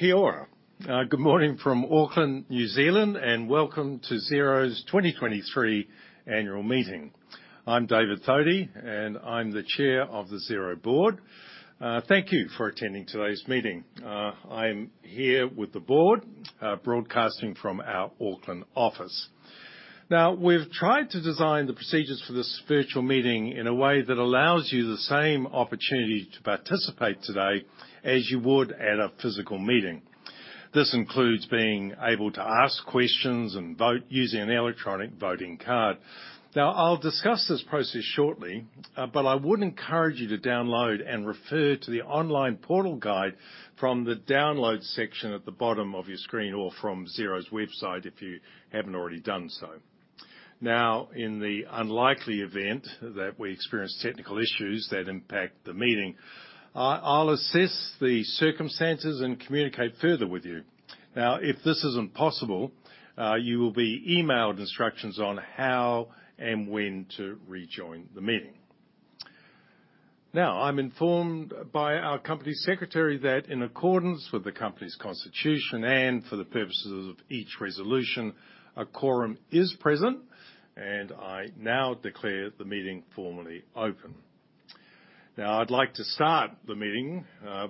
Kia ora. Good morning from Auckland, New Zealand, and welcome to Xero's 2023 annual meeting. I'm David Thodey, and I'm the chair of the Xero board. Thank you for attending today's meeting. I'm here with the board, broadcasting from our Auckland office. Now, we've tried to design the procedures for this virtual meeting in a way that allows you the same opportunity to participate today as you would at a physical meeting. This includes being able to ask questions and vote using an electronic voting card. Now, I'll discuss this process shortly, but I would encourage you to download and refer to the online portal guide from the Download section at the bottom of your screen, or from Xero's website if you haven't already done so. In the unlikely event that we experience technical issues that impact the meeting, I, I'll assess the circumstances and communicate further with you. If this isn't possible, you will be emailed instructions on how and when to rejoin the meeting. I'm informed by our Company Secretary that in accordance with the company's constitution and for the purposes of each resolution, a quorum is present, and I now declare the meeting formally open. I'd like to start the meeting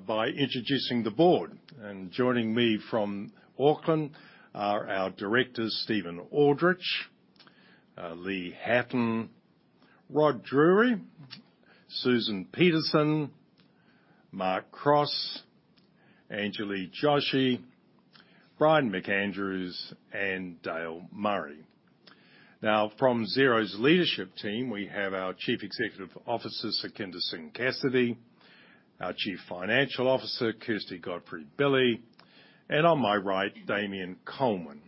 by introducing the board, and joining me from Auckland are our directors, Stephen Aldrich, Lee Hatton, Rod Drury, Susan Peterson, Mark Cross, Anjali Joshi, Brian McAndrews, and Dale Murray. From Xero's leadership team, we have our Chief Executive Officer, Sukhinder Singh Cassidy, our Chief Financial Officer, Kirsty Godfrey-Billy, and on my right, Damien Coleman.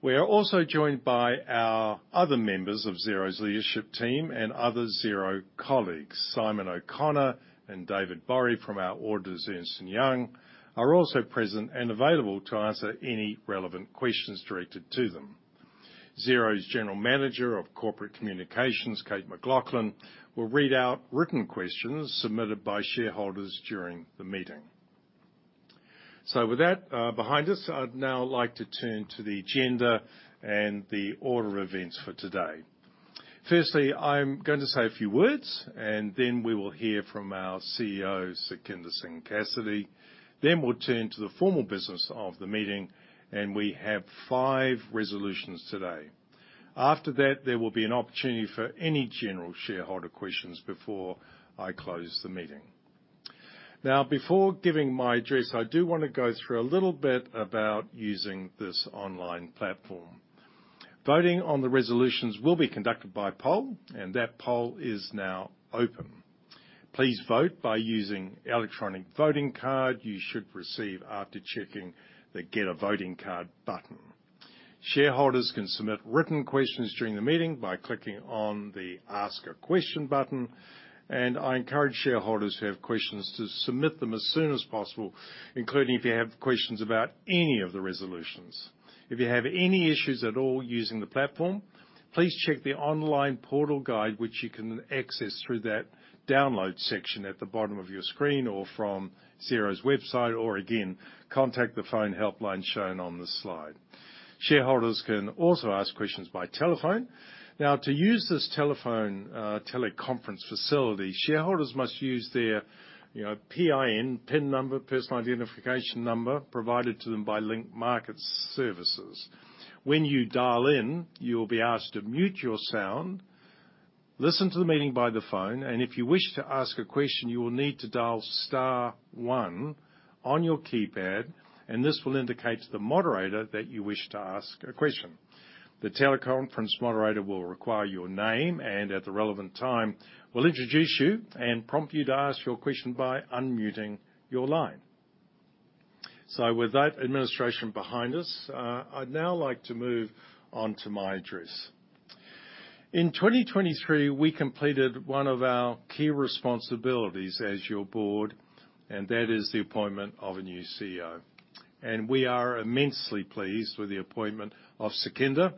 We are also joined by our other members of Xero's leadership team and other Xero colleagues. Simon O'Connor and David Borrie from our auditors, Ernst & Young, are also present and available to answer any relevant questions directed to them. Xero's General Manager of Corporate Communications, Kate McLaughlin, will read out written questions submitted by shareholders during the meeting. With that behind us, I'd now like to turn to the agenda and the order of events for today. Firstly, I'm going to say a few words, and we will hear from our CEO, Sukhinder Singh Cassidy. We'll turn to the formal business of the meeting, and we have five resolutions today. After that, there will be an opportunity for any general shareholder questions before I close the meeting. Now, before giving my address, I do want to go through a little bit about using this online platform. Voting on the resolutions will be conducted by poll, and that poll is now open. Please vote by using electronic voting card you should receive after checking the Get a Voting Card button. Shareholders can submit written questions during the meeting by clicking on the Ask a Question button, and I encourage shareholders who have questions to submit them as soon as possible, including if you have questions about any of the resolutions. If you have any issues at all using the platform, please check the online portal guide, which you can access through that Download section at the bottom of your screen, or from Xero's website, or again, contact the phone helpline shown on this slide. Shareholders can also ask questions by telephone. To use this telephone, teleconference facility, shareholders must use their, you know, PIN, PIN number, personal identification number, provided to them by Link Market Services. When you dial in, you will be asked to mute your sound, listen to the meeting by the phone, and if you wish to ask a question, you will need to dial star one on your keypad, and this will indicate to the moderator that you wish to ask a question. The teleconference moderator will require your name, and at the relevant time, will introduce you and prompt you to ask your question by unmuting your line. With that administration behind us, I'd now like to move on to my address. In 2023, we completed one of our key responsibilities as your board, and that is the appointment of a new CEO. We are immensely pleased with the appointment of Sukhinder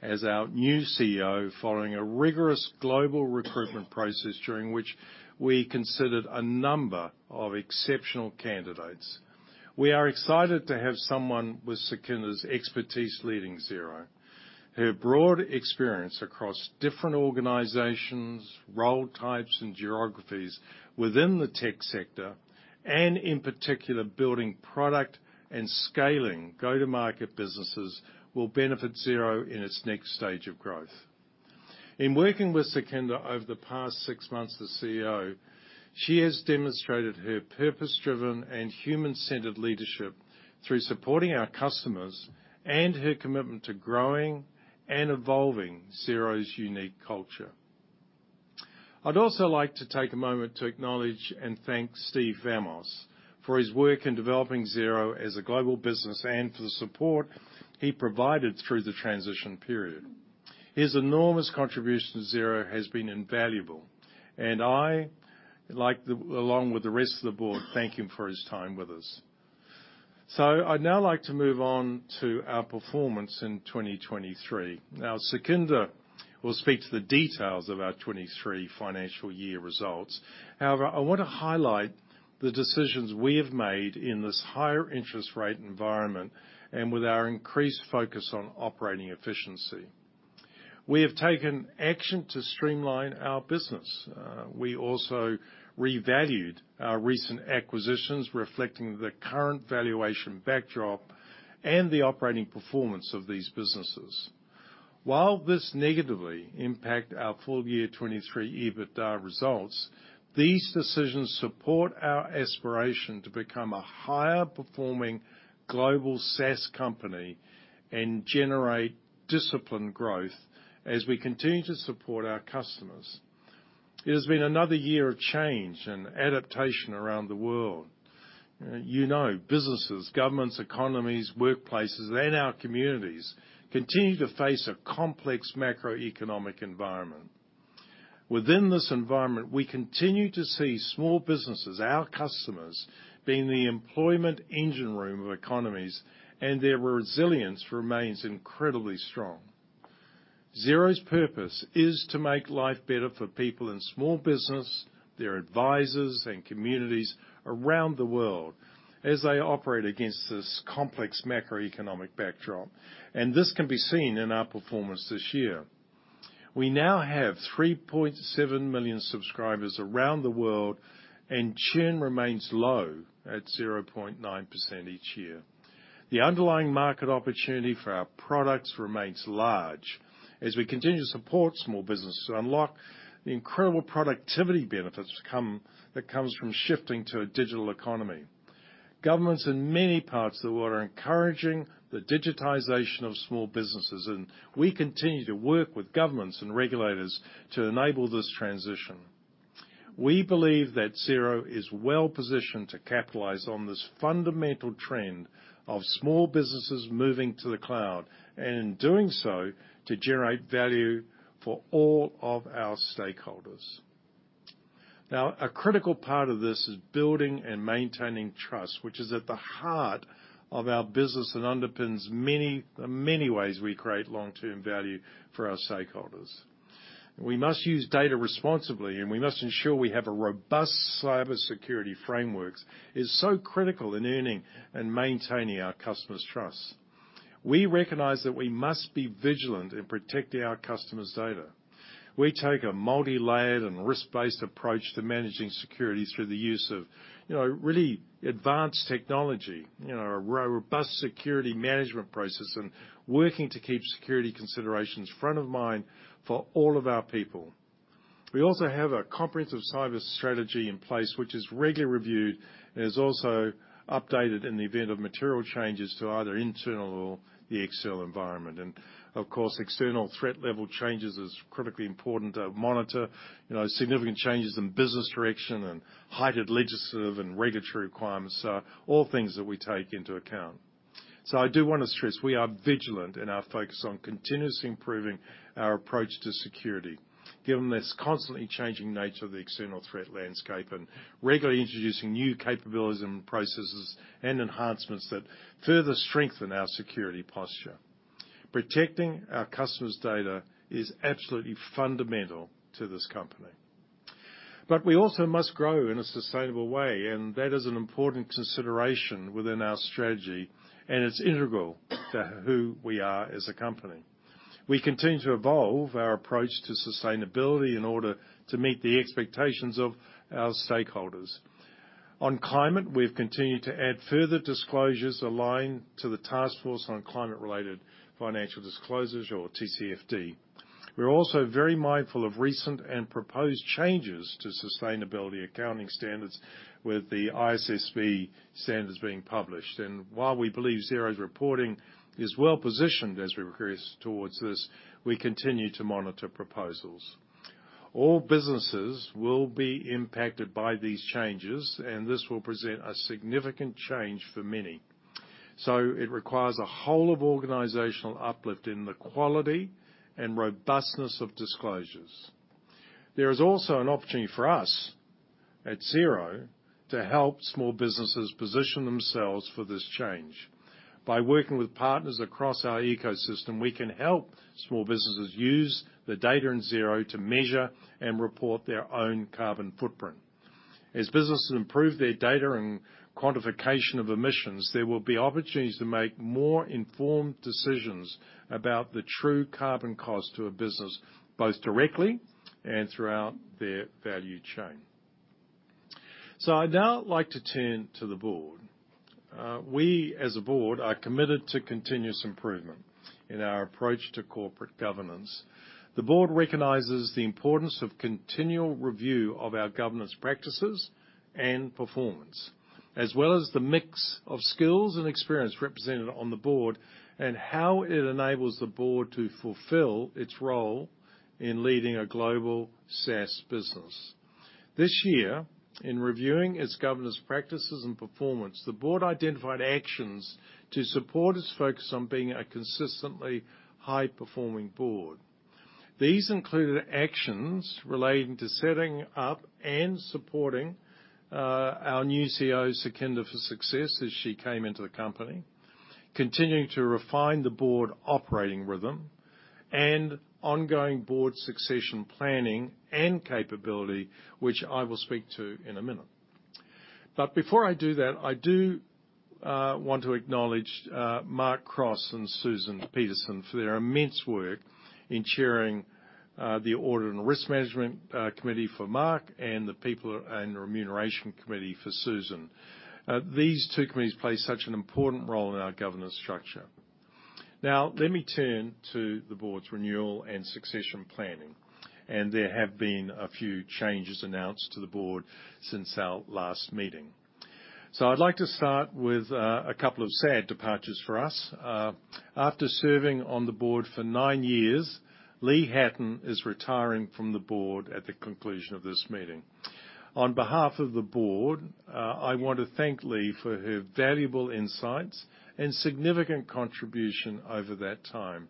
as our new CEO, following a rigorous global recruitment process, during which we considered a number of exceptional candidates. We are excited to have someone with Sukhinder's expertise leading Xero. Her broad experience across different organizations, role types, and geographies within the tech sector, and in particular, building product and scaling go-to-market businesses, will benefit Xero in its next stage of growth. In working with Sukhinder over the past six months as CEO, she has demonstrated her purpose-driven and human-centered leadership through supporting our customers and her commitment to growing and evolving Xero's unique culture. I'd also like to take a moment to acknowledge and thank Steve Vamos for his work in developing Xero as a global business and for the support he provided through the transition period. His enormous contribution to Xero has been invaluable, and I, like the, along with the rest of the board, thank him for his time with us. I'd now like to move on to our performance in 2023. Sukhinder will speak to the details of our 23 financial year results. I want to highlight the decisions we have made in this higher interest rate environment and with our increased focus on operating efficiency. We have taken action to streamline our business. We also revalued our recent acquisitions, reflecting the current valuation backdrop and the operating performance of these businesses. While this negatively impact our full year 23 EBITDA results, these decisions support our aspiration to become a higher performing global SaaS company and generate disciplined growth as we continue to support our customers. It has been another year of change and adaptation around the world. You know, businesses, governments, economies, workplaces, and our communities continue to face a complex macroeconomic environment. Within this environment, we continue to see small businesses, our customers, being the employment engine room of economies, and their resilience remains incredibly strong. Xero's purpose is to make life better for people in small business, their advisors, and communities around the world as they operate against this complex macroeconomic backdrop, and this can be seen in our performance this year. We now have 3.7 million subscribers around the world, and churn remains low at 0.9% each year. The underlying market opportunity for our products remains large as we continue to support small businesses to unlock the incredible productivity benefits that comes from shifting to a digital economy. Governments in many parts of the world are encouraging the digitization of small businesses, and we continue to work with governments and regulators to enable this transition. We believe that Xero is well positioned to capitalize on this fundamental trend of small businesses moving to the cloud, and in doing so, to generate value for all of our stakeholders. Now, a critical part of this is building and maintaining trust, which is at the heart of our business and underpins many, the many ways we create long-term value for our stakeholders. We must use data responsibly, and we must ensure we have a robust cybersecurity frameworks, is so critical in earning and maintaining our customers' trust. We recognize that we must be vigilant in protecting our customers' data. We take a multi-layered and risk-based approach to managing security through the use of, you know, really advanced technology, you know, a robust security management process and working to keep security considerations front of mind for all of our people. We also have a comprehensive cyber strategy in place, which is regularly reviewed and is also updated in the event of material changes to either internal or the external environment. Of course, external threat level changes is critically important to monitor, you know, significant changes in business direction and heightened legislative and regulatory requirements are all things that we take into account. I do want to stress, we are vigilant in our focus on continuously improving our approach to security, given this constantly changing nature of the external threat landscape, and regularly introducing new capabilities and processes and enhancements that further strengthen our security posture. Protecting our customers' data is absolutely fundamental to this company. We also must grow in a sustainable way, and that is an important consideration within our strategy, and it's integral to who we are as a company. We continue to evolve our approach to sustainability in order to meet the expectations of our stakeholders. On climate, we've continued to add further disclosures aligned to the Task Force on Climate-related Financial Disclosures, or TCFD. We're also very mindful of recent and proposed changes to sustainability accounting standards with the ISSB standards being published. While we believe Xero's reporting is well positioned as we progress towards this, we continue to monitor proposals. All businesses will be impacted by these changes, and this will present a significant change for many. It requires a whole of organizational uplift in the quality and robustness of disclosures. There is also an opportunity for us at Xero to help small businesses position themselves for this change. By working with partners across our ecosystem, we can help small businesses use the data in Xero to measure and report their own carbon footprint. As businesses improve their data and quantification of emissions, there will be opportunities to make more informed decisions about the true carbon cost to a business, both directly and throughout their value chain. I'd now like to turn to the board. We, as a board, are committed to continuous improvement in our approach to corporate governance. The board recognizes the importance of continual review of our governance practices and performance, as well as the mix of skills and experience represented on the board, and how it enables the board to fulfill its role in leading a global SaaS business. This year, in reviewing its governance practices and performance, the board identified actions to support its focus on being a consistently high-performing board.... These included actions relating to setting up and supporting our new CEO, Sukhinder, for success as she came into the company, continuing to refine the board operating rhythm and ongoing board succession planning and capability, which I will speak to in a minute. Before I do that, I do want to acknowledge Mark Cross and Susan Peterson for their immense work in chairing the Audit and Risk Management Committee for Mark and the People and Remuneration Committee for Susan. These two committees play such an important role in our governance structure. Let me turn to the board's renewal and succession planning, and there have been a few changes announced to the board since our last meeting. I'd like to start with a couple of sad departures for us. After serving on the board for 9 years, Lee Hatton is retiring from the board at the conclusion of this meeting. On behalf of the board, I want to thank Lee for her valuable insights and significant contribution over that time.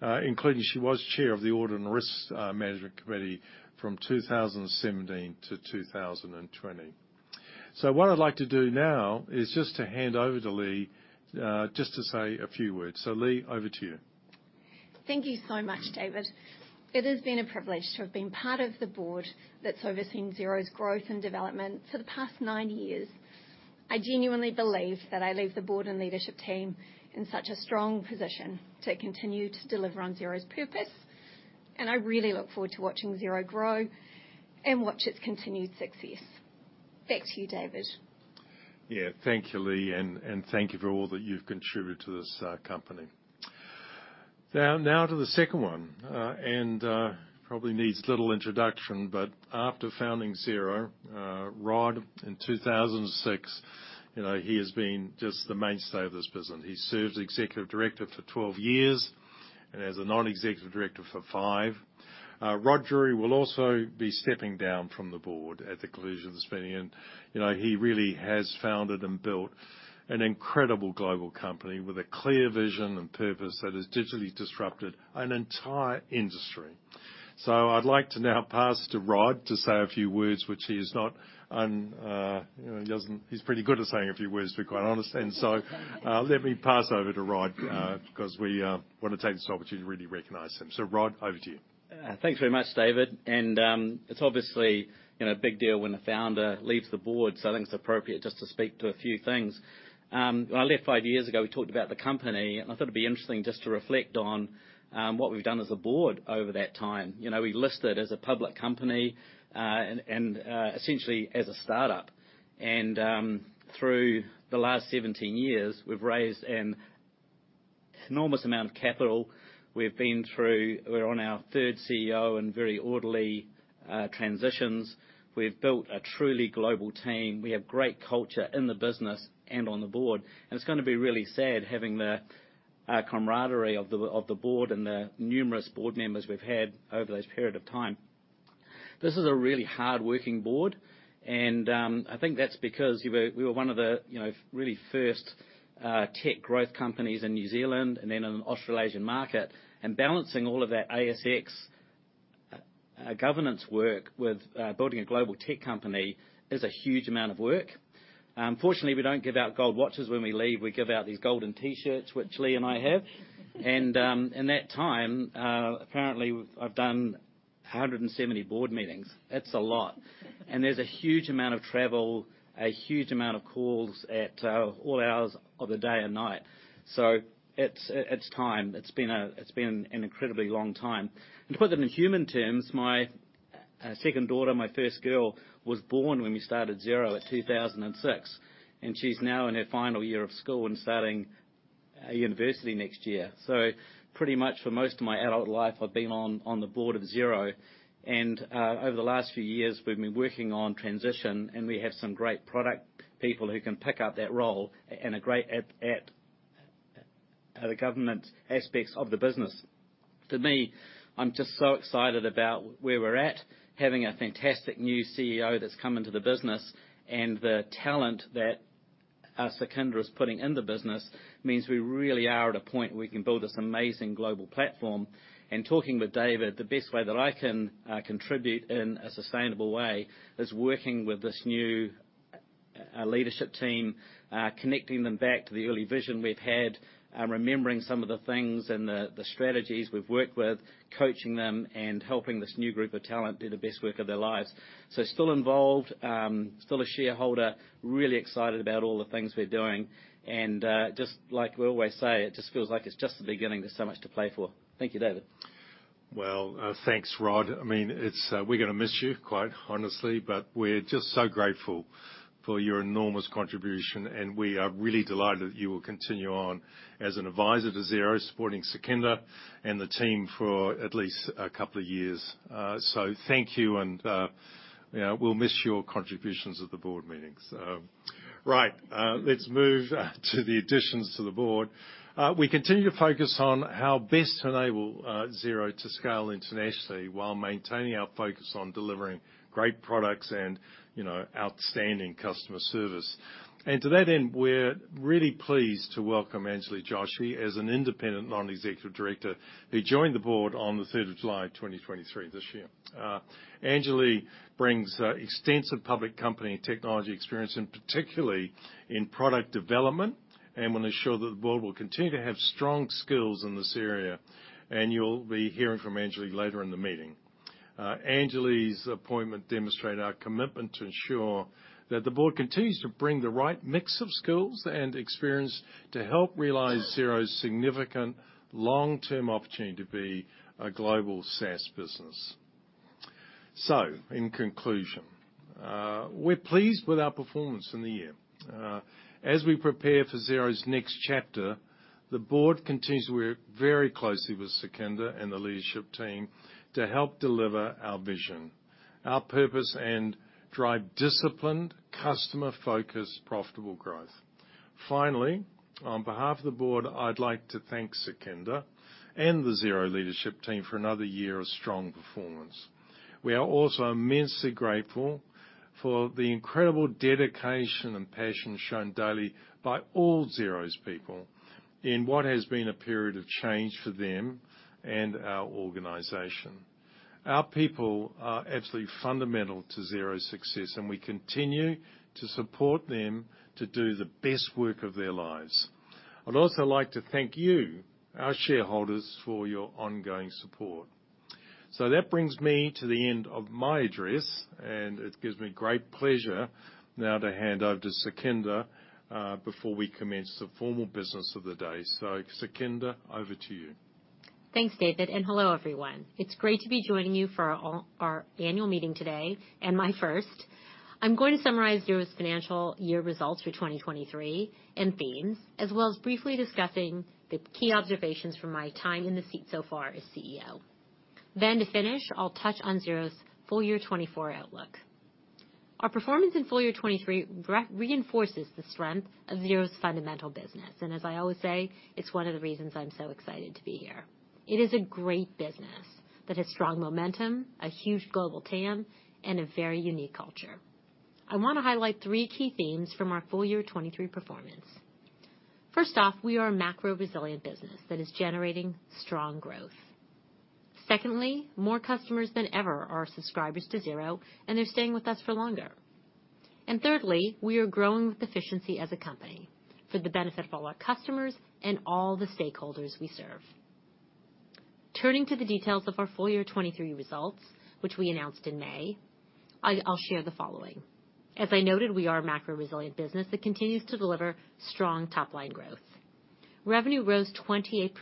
Including, she was chair of the Audit and Risk Management Committee from 2017-2020. What I'd like to do now is just to hand over to Lee, just to say a few words. Lee, over to you. Thank you so much, David. It has been a privilege to have been part of the board that's overseen Xero's growth and development for the past nine years. I genuinely believe that I leave the board and leadership team in such a strong position to continue to deliver on Xero's purpose, and I really look forward to watching Xero grow and watch its continued success. Back to you, David. Yeah. Thank you, Lee, and thank you for all that you've contributed to this company. Now, now to the second one, and probably needs little introduction, but after founding Xero, Rod, in 2006, you know, he has been just the mainstay of this business. He served as executive director for 12 years and as a non-executive director for 5. Rod Drury will also be stepping down from the board at the conclusion of this meeting, and, you know, he really has founded and built an incredible global company with a clear vision and purpose that has digitally disrupted an entire industry. I'd like to now pass to Rod to say a few words, which he is not, you know, he's pretty good at saying a few words, to be quite honest. Let me pass over to Rod, 'cause we want to take this opportunity to really recognize him. Rod, over to you. Thanks very much, David. It's obviously, you know, a big deal when a founder leaves the board, so I think it's appropriate just to speak to a few things. When I left five years ago, we talked about the company, and I thought it'd be interesting just to reflect on what we've done as a board over that time. You know, we listed as a public company, and essentially as a startup. Through the last 17 years, we've raised an enormous amount of capital. We're on our third CEO and very orderly transitions. We've built a truly global team. We have great culture in the business and on the board, and it's gonna be really sad having the camaraderie of the board and the numerous board members we've had over this period of time. This is a really hardworking board, I think that's because we were, we were one of the, you know, really first tech growth companies in New Zealand and then in the Australasian market, and balancing all of that ASX governance work with building a global tech company is a huge amount of work. Fortunately, we don't give out gold watches when we leave. We give out these golden T-shirts, which Lee and I have. In that time, apparently I've done 170 board meetings. It's a lot. There's a huge amount of travel, a huge amount of calls at all hours of the day and night. So it's time. It's been an incredibly long time. To put that in human terms, my second daughter, my first girl, was born when we started Xero in 2006, and she's now in her final year of school and starting university next year. So pretty much for most of my adult life, I've been on the board of Xero, and over the last few years, we've been working on transition, and we have some great product people who can pick up that role and are great at the governance aspects of the business. To me, I'm just so excited about where we're at, having a fantastic new CEO that's come into the business, and the talent that Sukhinder is putting in the business means we really are at a point where we can build this amazing global platform. Talking with David, the best way that I can contribute in a sustainable way is working with this new leadership team, connecting them back to the early vision we've had, remembering some of the things and the strategies we've worked with, coaching them, and helping this new group of talent do the best work of their lives. Still involved, still a shareholder, really excited about all the things we're doing, and just like we always say, it just feels like it's just the beginning. There's so much to play for. Thank you, David. Well, thanks, Rod. I mean, it's. We're gonna miss you, quite honestly, but we're just so grateful for your enormous contribution, and we are really delighted that you will continue on as an advisor to Xero, supporting Sukhinder and the team for at least a couple of years. Thank you, and, you know, we'll miss your contributions at the board meetings. Right, let's move to the additions to the board. We continue to focus on how best to enable Xero to scale internationally while maintaining our focus on delivering great products and, you know, outstanding customer service. To that end, we're really pleased to welcome Anjali Joshi as an independent non-executive director who joined the board on the third of July, 2023, this year. Anjali brings, extensive public company and technology experience, and particularly in product development, and will ensure that the board will continue to have strong skills in this area, and you'll be hearing from Anjali later in the meeting. Anjali's appointment demonstrate our commitment to ensure that the board continues to bring the right mix of skills and experience to help realize Xero's significant long-term opportunity to be a global SaaS business. In conclusion, we're pleased with our performance in the year. As we prepare for Xero's next chapter, the board continues to work very closely with Sukhinder and the leadership team to help deliver our vision, our purpose, and drive disciplined, customer-focused, profitable growth. Finally, on behalf of the board, I'd like to thank Sukhinder and the Xero leadership team for another year of strong performance. We are also immensely grateful for the incredible dedication and passion shown daily by all Xero's people in what has been a period of change for them and our organization. Our people are absolutely fundamental to Xero's success, and we continue to support them to do the best work of their lives. I'd also like to thank you, our shareholders, for your ongoing support. That brings me to the end of my address, and it gives me great pleasure now to hand over to Sukhinder, before we commence the formal business of the day. Sukhinder, over to you. Thanks, David. Hello, everyone. It's great to be joining you for our annual meeting today, and my first. I'm going to summarize Xero's financial year results for 2023 and themes, as well as briefly discussing the key observations from my time in the seat so far as CEO. To finish, I'll touch on Xero's full year 2024 outlook. Our performance in full year 2023 reinforces the strength of Xero's fundamental business, and as I always say, it's one of the reasons I'm so excited to be here. It is a great business that has strong momentum, a huge global TAM, and a very unique culture. I want to highlight three key themes from our full year 2023 performance. First off, we are a macro-resilient business that is generating strong growth. Secondly, more customers than ever are subscribers to Xero, and they're staying with us for longer. Thirdly, we are growing with efficiency as a company for the benefit of all our customers and all the stakeholders we serve. Turning to the details of our full year 2023 results, which we announced in May, I'll share the following. As I noted, we are a macro-resilient business that continues to deliver strong top-line growth. Revenue rose 28%,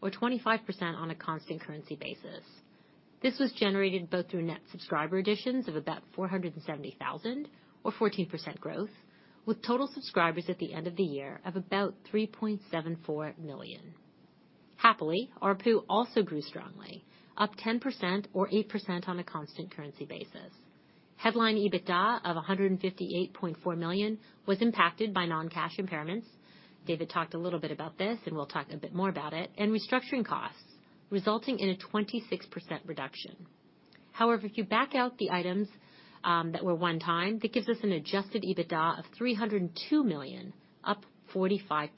or 25% on a constant currency basis. This was generated both through net subscriber additions of about 470,000, or 14% growth, with total subscribers at the end of the year of about 3.74 million. Happily, our ARPU also grew strongly, up 10% or 8% on a constant currency basis. Headline EBITDA of 158.4 million was impacted by non-cash impairments. David talked a little bit about this, and we'll talk a bit more about it, and restructuring costs, resulting in a 26% reduction. However, if you back out the items, that were one time, that gives us an adjusted EBITDA of 302 million, up 45%.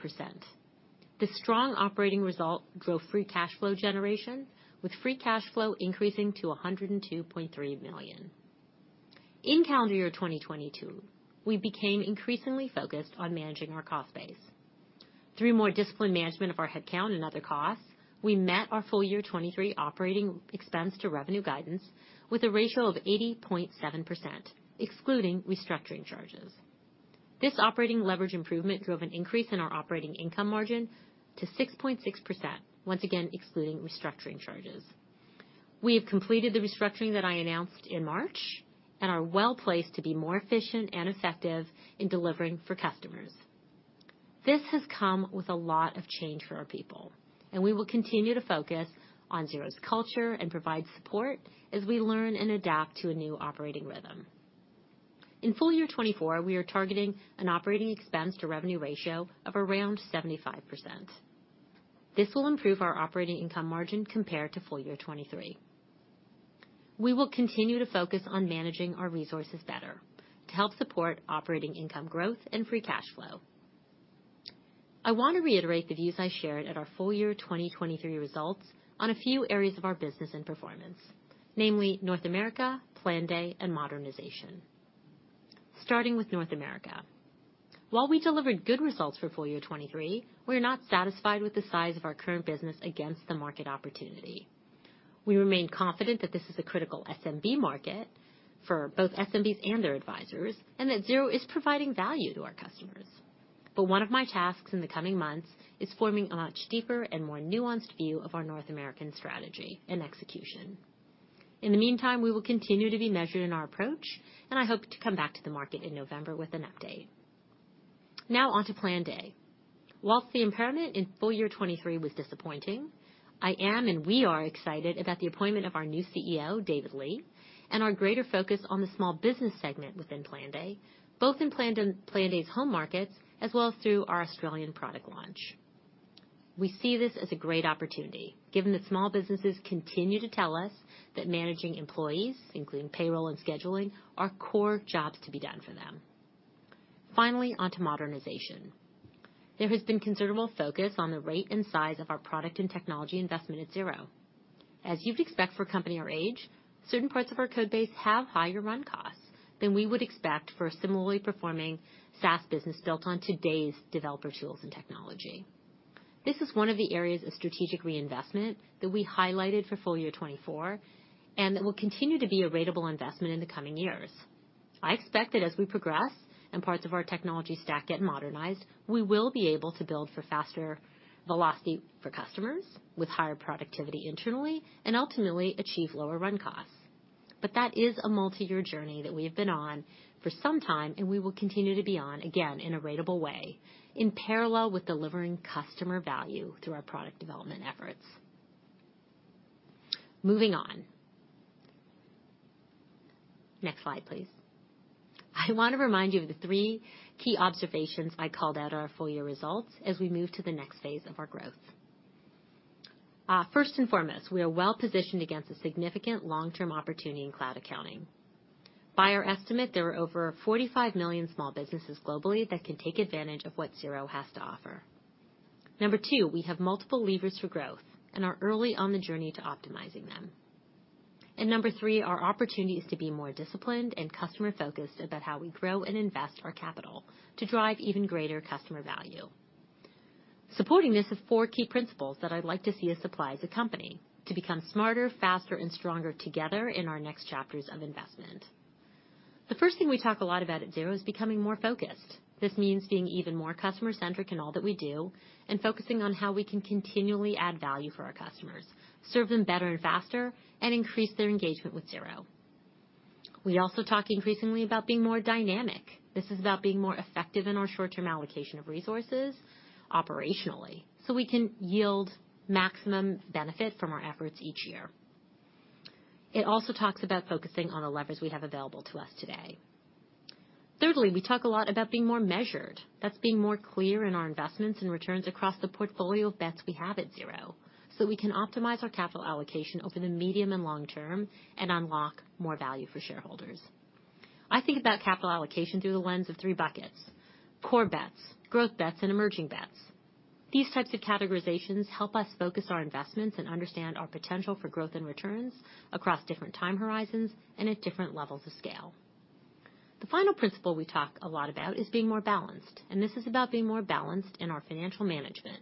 The strong operating result drove free cash flow generation, with free cash flow increasing to 102.3 million. In calendar year 2022, we became increasingly focused on managing our cost base. Through more disciplined management of our headcount and other costs, we met our full year 2023 operating expense to revenue guidance with a ratio of 80.7%, excluding restructuring charges. This operating leverage improvement drove an increase in our operating income margin to 6.6%, once again, excluding restructuring charges. We have completed the restructuring that I announced in March and are well placed to be more efficient and effective in delivering for customers. This has come with a lot of change for our people, and we will continue to focus on Xero's culture and provide support as we learn and adapt to a new operating rhythm. In full year 2024, we are targeting an operating expense to revenue ratio of around 75%. This will improve our operating income margin compared to full year 2023. We will continue to focus on managing our resources better to help support operating income growth and free cash flow. I want to reiterate the views I shared at our full year 2023 results on a few areas of our business and performance, namely North America, Planday, and modernization. Starting with North America. While we delivered good results for full year 2023, we're not satisfied with the size of our current business against the market opportunity. We remain confident that this is a critical SMB market for both SMBs and their advisors, and that Xero is providing value to our customers. One of my tasks in the coming months is forming a much deeper and more nuanced view of our North American strategy and execution. In the meantime, we will continue to be measured in our approach, and I hope to come back to the market in November with an update. Now on to Planday. Whilst the impairment in full year 2023 was disappointing, I am and we are excited about the appointment of our new CEO, David Lee, and our greater focus on the small business segment within Planday, both in Planday's home markets as well as through our Australian product launch. We see this as a great opportunity, given that small businesses continue to tell us that managing employees, including payroll and scheduling, are core jobs to be done for them. Finally, on to modernization. There has been considerable focus on the rate and size of our product and technology investment at Xero. As you'd expect for a company our age, certain parts of our code base have higher run costs than we would expect for a similarly performing SaaS business built on today's developer tools and technology. This is one of the areas of strategic reinvestment that we highlighted for full year 2024. That will continue to be a ratable investment in the coming years. I expect that as we progress and parts of our technology stack get modernized, we will be able to build for faster velocity for customers with higher productivity internally and ultimately achieve lower run costs. That is a multiyear journey that we have been on for some time. We will continue to be on, again, in a ratable way, in parallel with delivering customer value through our product development efforts. Moving on. Next slide, please. I want to remind you of the three key observations I called out on our full year results as we move to the next phase of our growth. First and foremost, we are well-positioned against a significant long-term opportunity in cloud accounting. By our estimate, there are over 45 million small businesses globally that can take advantage of what Xero has to offer. Number 2, we have multiple levers for growth and are early on the journey to optimizing them. Number 3, our opportunity is to be more disciplined and customer-focused about how we grow and invest our capital to drive even greater customer value. Supporting this is 4 key principles that I'd like to see us apply as a company to become smarter, faster, and stronger together in our next chapters of investment. The first thing we talk a lot about at Xero is becoming more focused. This means being even more customer-centric in all that we do, and focusing on how we can continually add value for our customers, serve them better and faster, and increase their engagement with Xero. We also talk increasingly about being more dynamic. This is about being more effective in our short-term allocation of resources operationally, so we can yield maximum benefit from our efforts each year. It also talks about focusing on the levers we have available to us today. Thirdly, we talk a lot about being more measured. That's being more clear in our investments and returns across the portfolio of bets we have at Xero, so we can optimize our capital allocation over the medium and long term and unlock more value for shareholders. I think about capital allocation through the lens of three buckets: core bets, growth bets, and emerging bets. These types of categorizations help us focus our investments and understand our potential for growth and returns across different time horizons and at different levels of scale. The final principle we talk a lot about is being more balanced, and this is about being more balanced in our financial management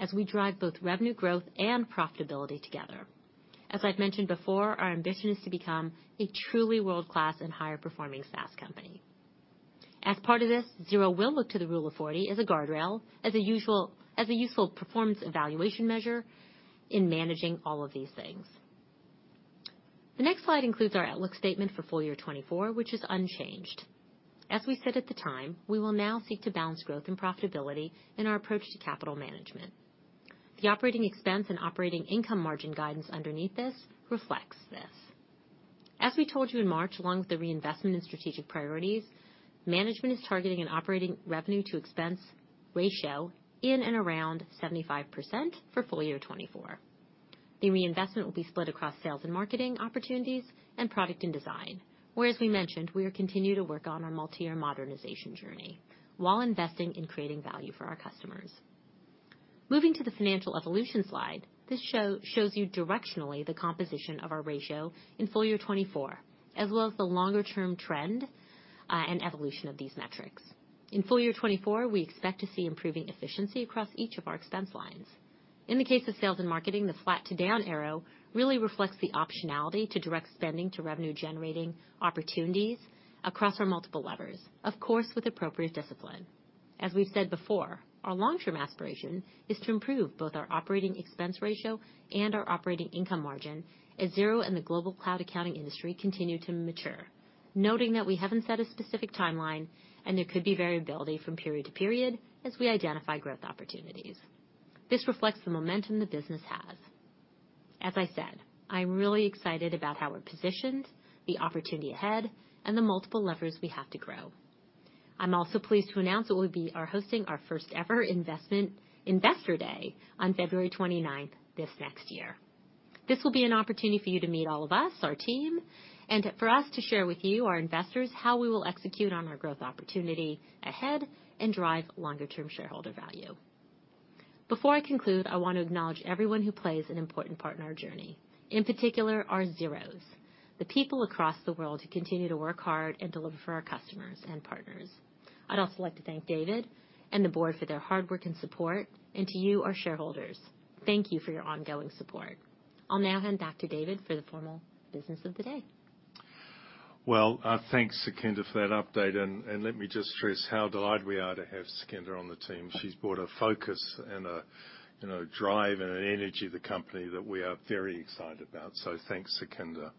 as we drive both revenue growth and profitability together. As I've mentioned before, our ambition is to become a truly world-class and higher-performing SaaS company. As part of this, Xero will look to the Rule of 40 as a guardrail, as a useful performance evaluation measure in managing all of these things. The next slide includes our outlook statement for full year 2024, which is unchanged. As we said at the time, we will now seek to balance growth and profitability in our approach to capital management. The operating expense and operating income margin guidance underneath this reflects this. As we told you in March, along with the reinvestment in strategic priorities, management is targeting an operating expense to revenue ratio in and around 75% for full year 2024. The reinvestment will be split across sales and marketing opportunities and product and design, where, as we mentioned, we are continuing to work on our multi-year modernization journey while investing in creating value for our customers. Moving to the financial evolution slide, this shows you directionally the composition of our ratio in full year 2024, as well as the longer-term trend and evolution of these metrics. In full year 2024, we expect to see improving efficiency across each of our expense lines. In the case of sales and marketing, the flat to down arrow really reflects the optionality to direct spending to revenue-generating opportunities across our multiple levers, of course, with appropriate discipline. As we've said before, our long-term aspiration is to improve both our operating expense ratio and our operating income margin as Xero and the global cloud accounting industry continue to mature, noting that we haven't set a specific timeline, and there could be variability from period to period as we identify growth opportunities. This reflects the momentum the business has. As I said, I'm really excited about how we're positioned, the opportunity ahead, and the multiple levers we have to grow. I'm also pleased to announce that we'll be hosting our first ever investor day on February 29th, this next year. This will be an opportunity for you to meet all of us, our team, and for us to share with you, our investors, how we will execute on our growth opportunity ahead and drive longer-term shareholder value. Before I conclude, I want to acknowledge everyone who plays an important part in our journey, in particular, our Xeros, the people across the world who continue to work hard and deliver for our customers and partners. I'd also like to thank David and the Board for their hard work and support, and to you, our shareholders, thank you for your ongoing support. I'll now hand back to David for the formal business of the day. Well, thanks, Sukhinder, for that update. Let me just stress how delighted we are to have Sukhinder on the team. She's brought a focus and a, you know, drive and an energy to the company that we are very excited about. Thanks, Sukhinder.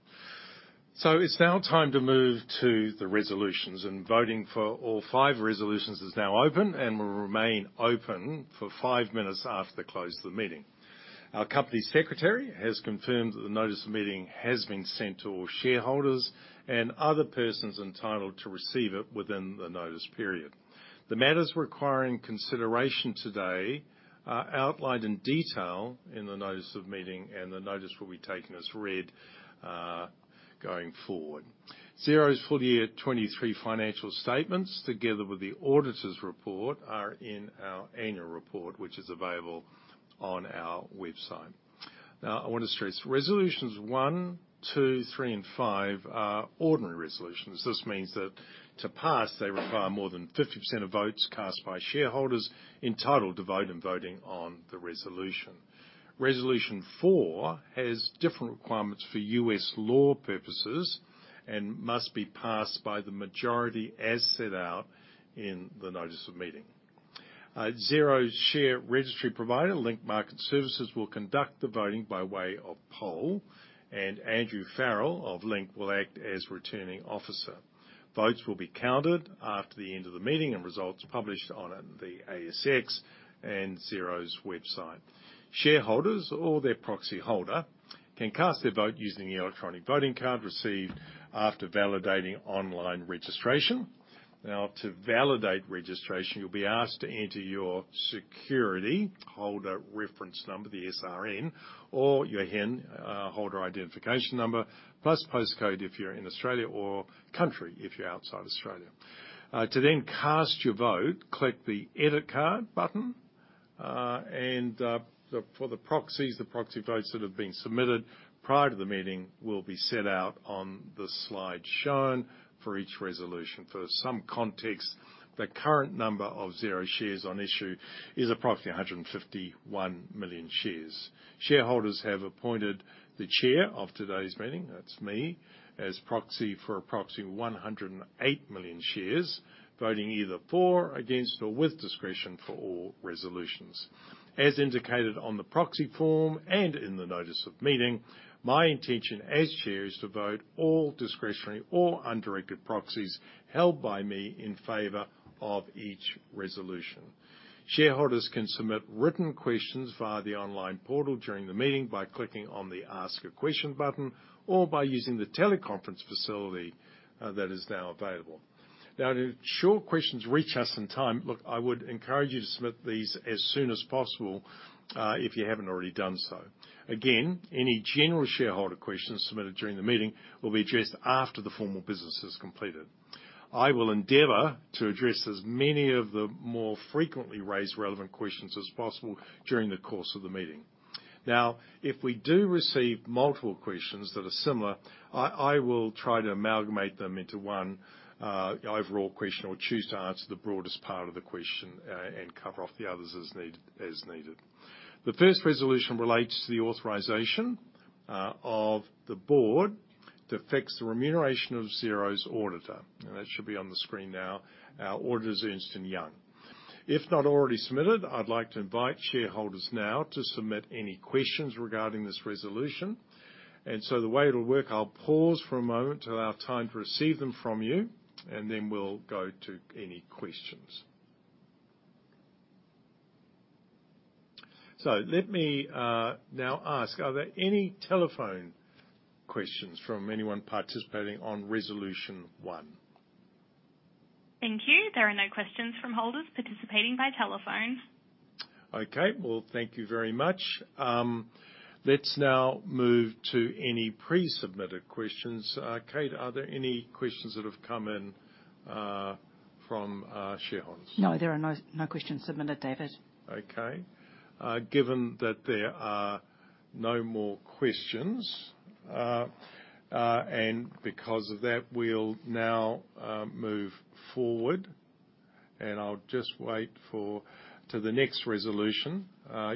It's now time to move to the resolutions. Voting for all five resolutions is now open and will remain open for five minutes after the close of the meeting. Our Company Secretary has confirmed that the notice of meeting has been sent to all shareholders and other persons entitled to receive it within the notice period. The matters requiring consideration today are outlined in detail in the notice of meeting. The notice will be taken as read, going forward. Xero's full year 23 financial statements, together with the auditor's report, are in our annual report, which is available on our website. Now, I want to stress, Resolutions 1, 2, 3, and 5 are ordinary resolutions. This means that to pass, they require more than 50% of votes cast by shareholders entitled to vote and voting on the resolution. Resolution 4 has different requirements for U.S. law purposes and must be passed by the majority, as set out in the notice of meeting. Xero's share registry provider, Link Market Services, will conduct the voting by way of poll, and Andrew Farrell of Link will act as Returning Officer. Votes will be counted after the end of the meeting and results published on the ASX and Xero's website. Shareholders or their proxy holder can cast their vote using the electronic voting card received after validating online registration. To validate registration, you'll be asked to enter your security holder reference number, the SRN, or your HIN, holder identification number, plus postcode if you're in Australia or country, if you're outside Australia. To then cast your vote, click the Edit Card button. For the proxies, the proxy votes that have been submitted prior to the meeting will be set out on the slide shown for each resolution. For some context, the current number of Xero shares on issue is approximately 151 million shares. Shareholders have appointed the chair of today's meeting, that's me, as proxy for approximately 108 million shares, voting either for, against, or with discretion for all resolutions. As indicated on the proxy form and in the notice of meeting, my intention as chair is to vote all discretionary or undirected proxies held by me in favor of each resolution. Shareholders can submit written questions via the online portal during the meeting by clicking on the Ask a Question button or by using the teleconference facility, that is now available. To ensure questions reach us in time, look, I would encourage you to submit these as soon as possible, if you haven't already done so. Again, any general shareholder questions submitted during the meeting will be addressed after the formal business is completed. I will endeavor to address as many of the more frequently raised relevant questions as possible during the course of the meeting. If we do receive multiple questions that are similar, I will try to amalgamate them into one overall question or choose to answer the broadest part of the question and cover off the others as need, as needed. The first resolution relates to the authorization of the board to fix the remuneration of Xero's auditor, and that should be on the screen now. Our auditor is Ernst & Young. If not already submitted, I'd like to invite shareholders now to submit any questions regarding this resolution. The way it'll work, I'll pause for a moment to allow time to receive them from you, and then we'll go to any questions. Let me now ask: Are there any telephone questions from anyone participating on Resolution 1? Thank you. There are no questions from holders participating by telephone. Okay, well, thank you very much. Let's now move to any pre-submitted questions. Kate, are there any questions that have come in, from, shareholders? No, there are no, no questions submitted, David. Okay. Given that there are no more questions, because of that, we'll now move forward, and I'll just wait to the next resolution.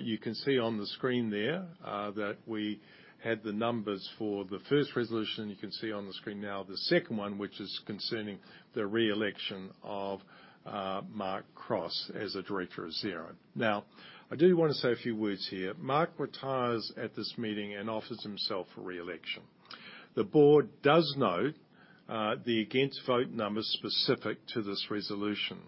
You can see on the screen there that we had the numbers for the first resolution. You can see on the screen now the second one, which is concerning the re-election of Mark Cross as a director of Xero. Now, I do want to say a few words here. Mark retires at this meeting and offers himself for re-election. The board does note the against vote numbers specific to this resolution.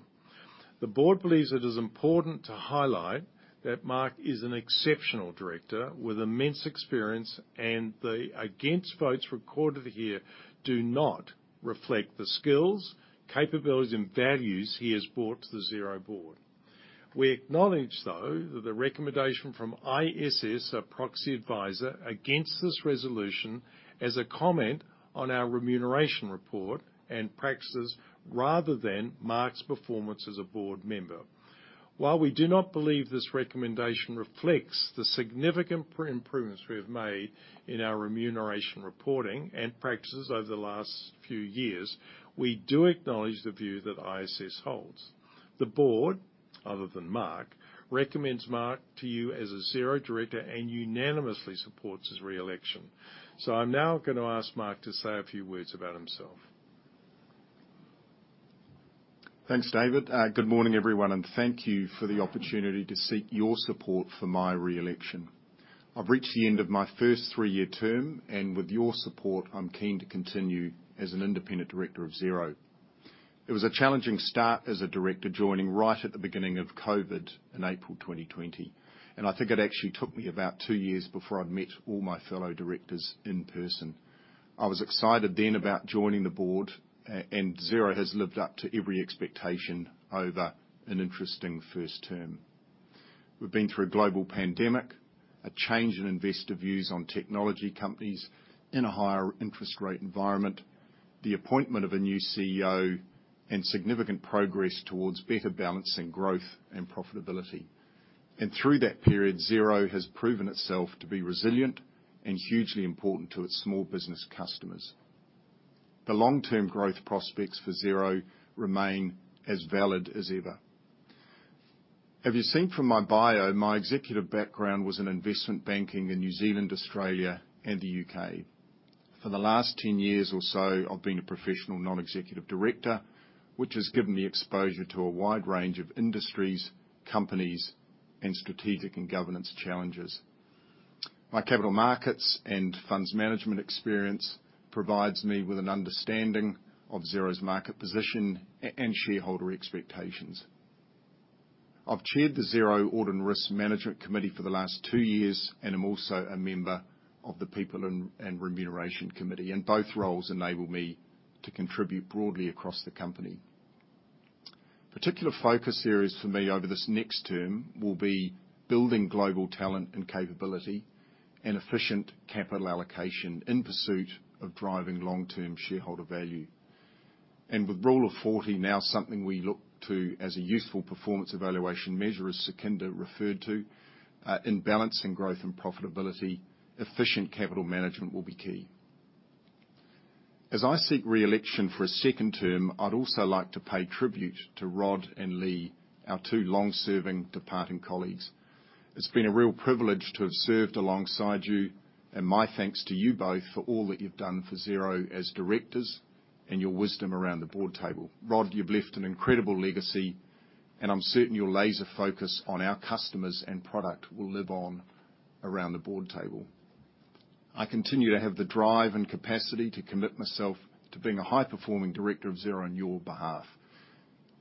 The board believes it is important to highlight that Mark is an exceptional director with immense experience, and the against votes recorded here do not reflect the skills, capabilities, and values he has brought to the Xero board. We acknowledge, though, that the recommendation from ISS, our proxy advisor, against this resolution as a comment on our remuneration report and practices rather than Mark's performance as a board member. While we do not believe this recommendation reflects the significant improvements we have made in our remuneration reporting and practices over the last few years, we do acknowledge the view that ISS holds. The board, other than Mark, recommends Mark to you as a Xero director and unanimously supports his re-election. I'm now going to ask Mark to say a few words about himself.... Thanks, David. Good morning, everyone, and thank you for the opportunity to seek your support for my re-election. I've reached the end of my first three-year term, and with your support, I'm keen to continue as an independent director of Xero. It was a challenging start as a director, joining right at the beginning of COVID in April 2020, and I think it actually took me about two years before I'd met all my fellow directors in person. I was excited then about joining the board, and Xero has lived up to every expectation over an interesting first term. We've been through a global pandemic, a change in investor views on technology companies in a higher interest rate environment, the appointment of a new CEO, and significant progress towards better balancing growth and profitability. Through that period, Xero has proven itself to be resilient and hugely important to its small business customers. The long-term growth prospects for Xero remain as valid as ever. As you've seen from my bio, my executive background was in investment banking in New Zealand, Australia, and the U.K. For the last 10 years or so, I've been a professional non-executive director, which has given me exposure to a wide range of industries, companies, and strategic and governance challenges. My capital markets and funds management experience provides me with an understanding of Xero's market position and shareholder expectations. I've chaired the Xero Audit and Risk Management Committee for the last 2 years, and I'm also a member of the People and Remuneration Committee, and both roles enable me to contribute broadly across the company. Particular focus areas for me over this next term will be building global talent and capability and efficient capital allocation in pursuit of driving long-term shareholder value. With Rule of 40 now something we look to as a useful performance evaluation measure, as Sukhinder referred to, in balancing growth and profitability, efficient capital management will be key. As I seek re-election for a second term, I'd also like to pay tribute to Rod and Lee, our two long-serving departing colleagues. It's been a real privilege to have served alongside you, and my thanks to you both for all that you've done for Xero as directors and your wisdom around the board table. Rod, you've left an incredible legacy, and I'm certain your laser focus on our customers and product will live on around the board table. I continue to have the drive and capacity to commit myself to being a high-performing director of Xero on your behalf.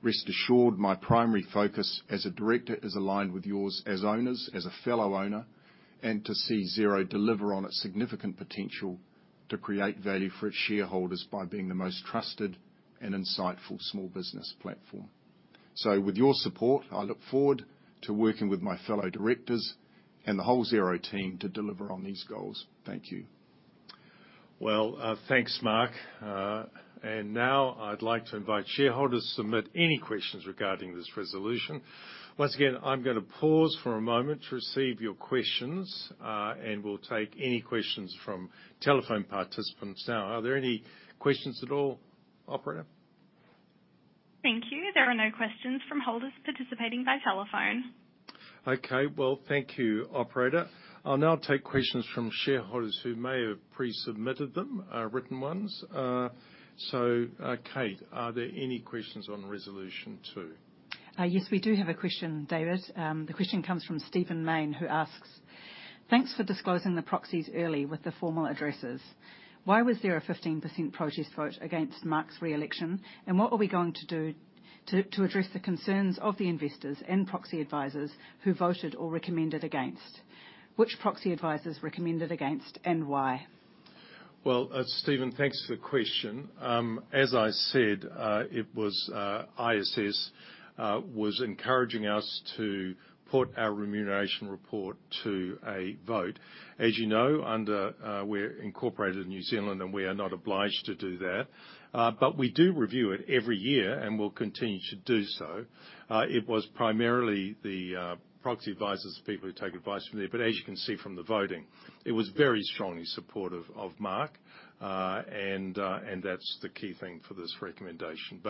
Rest assured, my primary focus as a director is aligned with yours as owners, as a fellow owner, and to see Xero deliver on its significant potential to create value for its shareholders by being the most trusted and insightful small business platform. With your support, I look forward to working with my fellow directors and the whole Xero team to deliver on these goals. Thank you. Well, thanks, Mark. Now I'd like to invite shareholders to submit any questions regarding this resolution. Once again, I'm gonna pause for a moment to receive your questions, and we'll take any questions from telephone participants now. Are there any questions at all, operator? Thank you. There are no questions from holders participating by telephone. Okay. Well, thank you, operator. I'll now take questions from shareholders who may have pre-submitted them, written ones. Kate, are there any questions on Resolution 2? Yes, we do have a question, David. The question comes from Stephen Mayne, who asks: "Thanks for disclosing the proxies early with the formal addresses. Why was there a 15% protest vote against Mark's re-election, and what are we going to do to address the concerns of the investors and proxy advisors who voted or recommended against? Which proxy advisors recommended against, and why? Well, Stephen, thanks for the question. As I said, it was ISS, was encouraging us to put our remuneration report to a vote. As you know, under, we're incorporated in New Zealand, and we are not obliged to do that, but we do review it every year, and we'll continue to do so. It was primarily the proxy advisors, people who take advice from there. As you can see from the voting, it was very strongly supportive of Mark, and that's the key thing for this recommendation.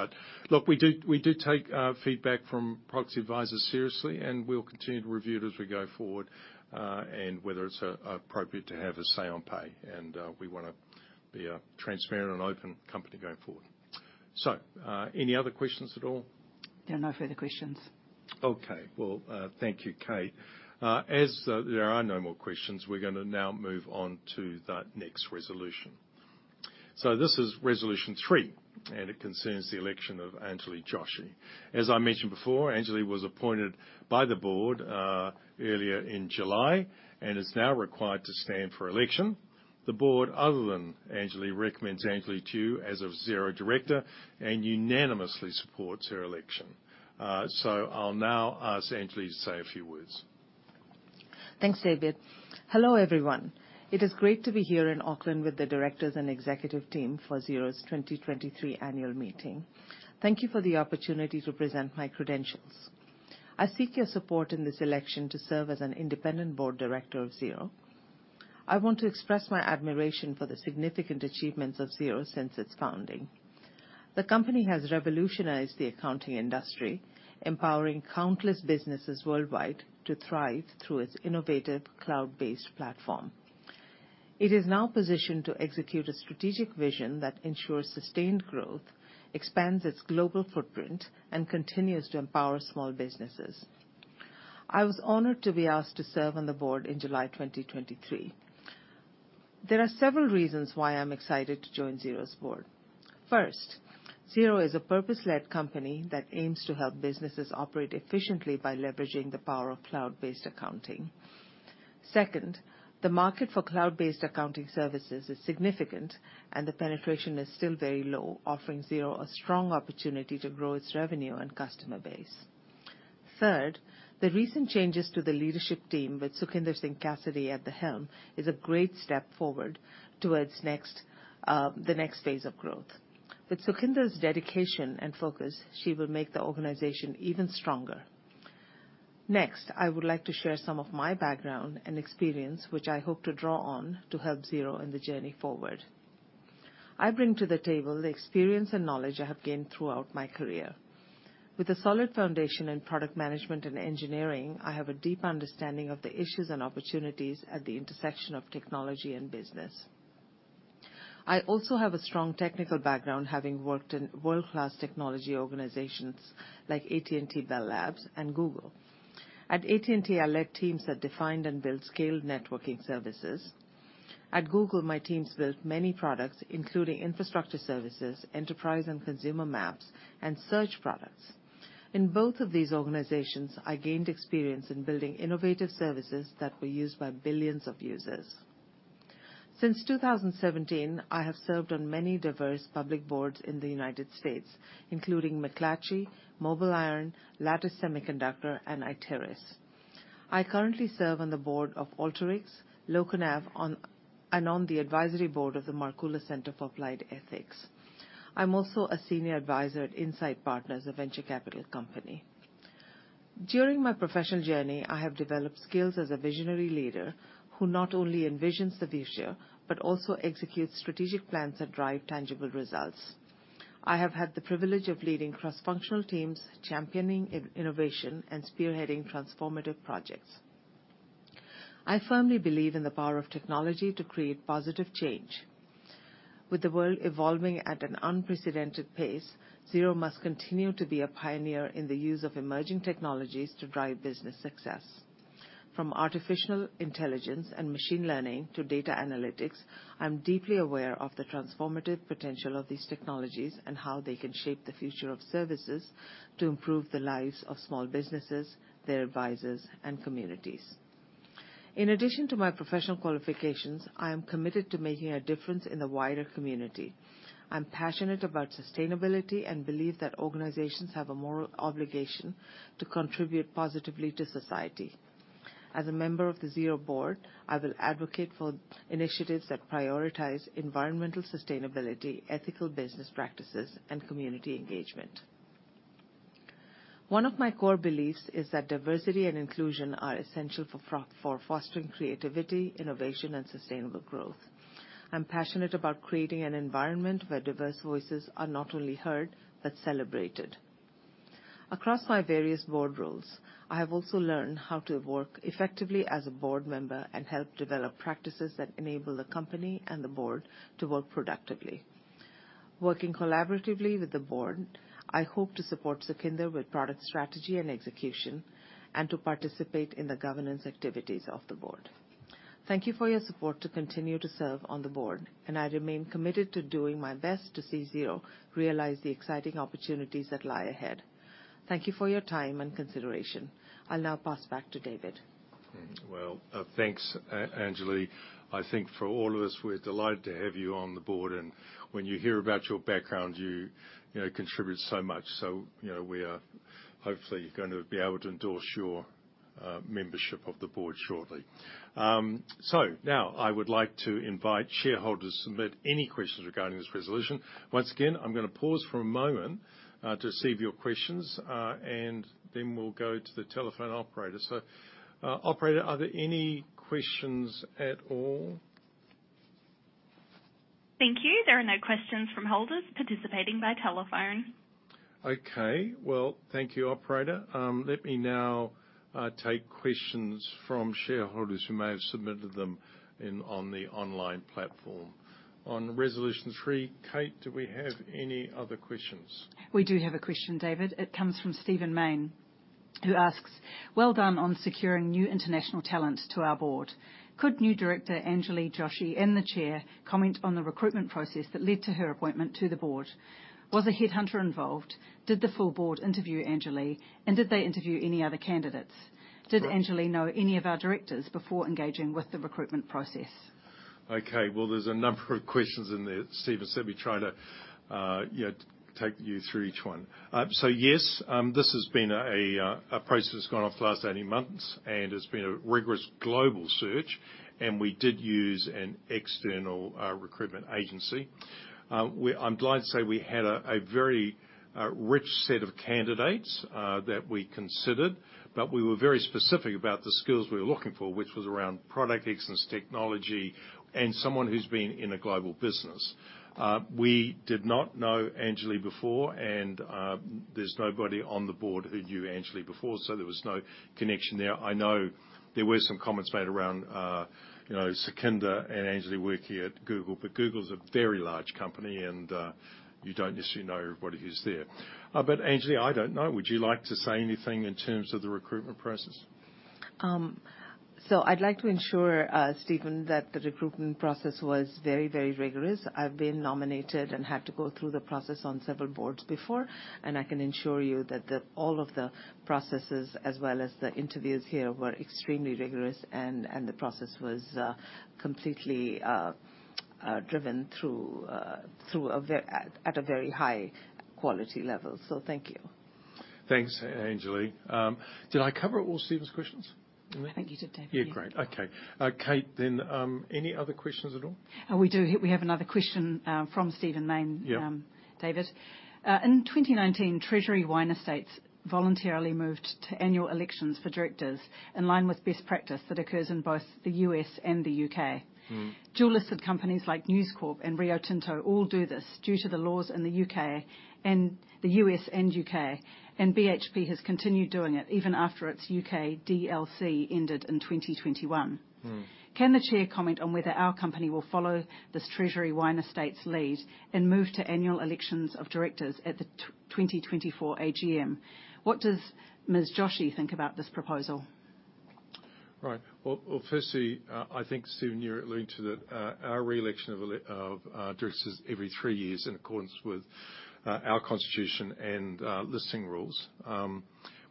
Look, we do, we do take feedback from proxy advisors seriously, and we'll continue to review it as we go forward, and whether it's appropriate to have a say on pay, and we wanna be a transparent and open company going forward. Any other questions at all? There are no further questions. Okay. Well, thank you, Kate. As there are no more questions, we're gonna now move on to the next resolution. This is Resolution 3, and it concerns the election of Anjali Joshi. As I mentioned before, Anjali was appointed by the board earlier in July and is now required to stand for election. The board, other than Anjali, recommends Anjali to you as a Xero director and unanimously supports her election. I'll now ask Anjali to say a few words. Thanks, David. Hello, everyone. It is great to be here in Auckland with the directors and executive team for Xero's 2023 annual meeting. Thank you for the opportunity to present my credentials. I seek your support in this election to serve as an independent board director of Xero. I want to express my admiration for the significant achievements of Xero since its founding. The company has revolutionized the accounting industry, empowering countless businesses worldwide to thrive through its innovative cloud-based platform.... It is now positioned to execute a strategic vision that ensures sustained growth, expands its global footprint, and continues to empower small businesses. I was honored to be asked to serve on the board in July 2023. There are several reasons why I'm excited to join Xero's board. First, Xero is a purpose-led company that aims to help businesses operate efficiently by leveraging the power of cloud-based accounting. Second, the market for cloud-based accounting services is significant, and the penetration is still very low, offering Xero a strong opportunity to grow its revenue and customer base. Third, the recent changes to the leadership team with Sukhinder Singh Cassidy at the helm, is a great step forward towards next, the next phase of growth. With Sukhinder's dedication and focus, she will make the organization even stronger. Next, I would like to share some of my background and experience, which I hope to draw on to help Xero in the journey forward. I bring to the table the experience and knowledge I have gained throughout my career. With a solid foundation in product management and engineering, I have a deep understanding of the issues and opportunities at the intersection of technology and business. I also have a strong technical background, having worked in world-class technology organizations like AT&T Bell Labs and Google. At AT&T, I led teams that defined and built scaled networking services. At Google, my teams built many products, including infrastructure services, enterprise and consumer maps, and search products. In both of these organizations, I gained experience in building innovative services that were used by billions of users. Since 2017, I have served on many diverse public boards in the United States, including McClatchy, MobileIron, Lattice Semiconductor, and Iteris. I currently serve on the board of Alteryx, LocoNav, and on the advisory board of the Markkula Center for Applied Ethics. I'm also a senior advisor at Insight Partners, a venture capital company. During my professional journey, I have developed skills as a visionary leader, who not only envisions the future but also executes strategic plans that drive tangible results. I have had the privilege of leading cross-functional teams, championing innovation, and spearheading transformative projects. I firmly believe in the power of technology to create positive change. With the world evolving at an unprecedented pace, Xero must continue to be a pioneer in the use of emerging technologies to drive business success. From artificial intelligence and machine learning to data analytics, I'm deeply aware of the transformative potential of these technologies and how they can shape the future of services to improve the lives of small businesses, their advisors, and communities. In addition to my professional qualifications, I am committed to making a difference in the wider community. I'm passionate about sustainability and believe that organizations have a moral obligation to contribute positively to society. As a member of the Xero board, I will advocate for initiatives that prioritize environmental sustainability, ethical business practices, and community engagement. One of my core beliefs is that diversity and inclusion are essential for fostering creativity, innovation, and sustainable growth. I'm passionate about creating an environment where diverse voices are not only heard but celebrated. Across my various board roles, I have also learned how to work effectively as a board member and help develop practices that enable the company and the board to work productively. Working collaboratively with the board, I hope to support Sukhinder with product strategy and execution and to participate in the governance activities of the board. Thank you for your support to continue to serve on the board, and I remain committed to doing my best to see Xero realize the exciting opportunities that lie ahead. Thank you for your time and consideration. I'll now pass back to David. Well, thanks, Anjali. I think for all of us, we're delighted to have you on the board, and when you hear about your background, you, you know, contribute so much. You know, we are hopefully going to be able to endorse your membership of the board shortly. Now I would like to invite shareholders to submit any questions regarding this resolution. Once again, I'm gonna pause for a moment to receive your questions, and then we'll go to the telephone operator. Operator, are there any questions at all? Thank you. There are no questions from holders participating by telephone. Okay. Well, thank you, operator. Let me now take questions from shareholders who may have submitted them in on the online platform. On Resolution 3, Kate, do we have any other questions? We do have a question, David. It comes from Stephen Mayne, who asks: Well done on securing new international talent to our board. Could new director, Anjali Joshi, and the Chair comment on the recruitment process that led to her appointment to the board? Was a headhunter involved? Did the full board interview Anjali, and did they interview any other candidates? Right. Did Anjali know any of our directors before engaging with the recruitment process? Okay, well, there's a number of questions in there, Stephen, so let me try to, you know, take you through each one. Yes, this has been a process that's gone off the last 18 months. It's been a rigorous global search. We did use an external recruitment agency. I'm glad to say we had a very rich set of candidates that we considered, but we were very specific about the skills we were looking for, which was around product excellence, technology, and someone who's been in a global business. We did not know Anjali before. There's nobody on the board who knew Anjali before, so there was no connection there. I know there were some comments made around, you know, Sukhinder and Anjali working at Google. Google's a very large company, and you don't necessarily know everybody who's there. Anjali, I don't know, would you like to say anything in terms of the recruitment process? ... I'd like to ensure, Stephen, that the recruitment process was very, very rigorous. I've been nominated and had to go through the process on several boards before, and I can ensure you that the, all of the processes, as well as the interviews here, were extremely rigorous and the process was completely driven through a very high quality level. Thank you. Thanks, Anjali. Did I cover all Stephen's questions? I think you did, David. Yeah. Great. Okay. Kate, then, any other questions at all? We do. We, we have another question, from Stephen Mayne- Yeah... David. "In 2019, Treasury Wine Estates voluntarily moved to annual elections for directors in line with best practice that occurs in both the U.S. and the U.K. Mm. Dual-listed companies like News Corp and Rio Tinto all do this due to the laws in the U.K. and the U.S. and U.K., and BHP has continued doing it even after its U.K. DLC ended in 2021. Mm. Can the Chair comment on whether our company will follow this Treasury Wine Estates lead and move to annual elections of directors at the 2024 AGM? What does Ms. Joshi think about this proposal? Right. Well, well, firstly, I think, Stephen, you're alluding to the our reelection of directors every three years in accordance with our constitution and listing rules.